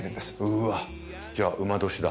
うわじゃあ午年だ。